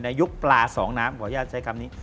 ยุคปลาสองน้ำขออนุญาตใช้คำนี้